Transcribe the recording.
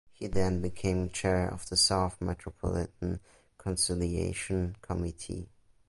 He then became chair of the South Metropolitan Conciliation Committee.